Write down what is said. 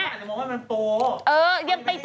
มันอาจจะมองว่ามันโปร